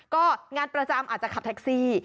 ก็งานประจำอาจจะขับแท็กซี่